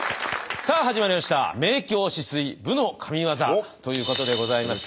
さあ始まりました「明鏡止水武のＫＡＭＩＷＡＺＡ」。ということでございまして。